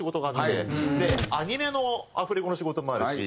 でアニメのアフレコの仕事もあるし